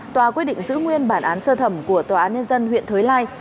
tòa quyết định giữ nguyên bản án sơ thẩm của tòa án nhân dân huyện thới lai